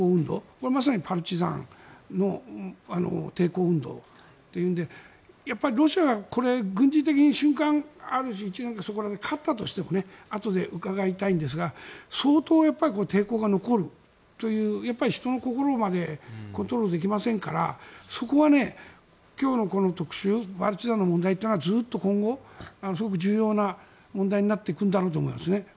これはまさにパルチザンの抵抗運動というのでやっぱりロシアが軍事的に瞬間的に勝ったとしてもあとで伺いたいんですが相当、抵抗が残るという人の心までコントロールできませんからそこは今日の特集パルチザンの問題というのはずっと今後すごく重要な問題になっていくんだろうと思いますね。